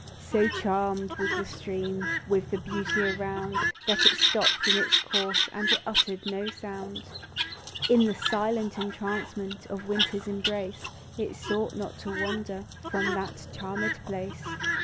So charm'd was the stream With the beauty around, That it stopp'd in its course, And it utter'd no sound ; In the silent entrancement Of Winter's embrace, It sought not to wander From that charmed place ; THE DEW DROP.